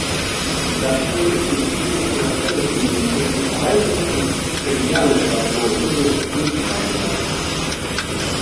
Dafür ist die Bestimmung einer Trennungslinie zwischen Unterhaltungs- und Trivialliteratur umso unzureichender.